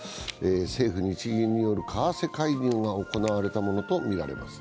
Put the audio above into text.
政府・日銀による為替介入が行われたものとみられます。